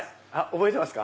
覚えてますか？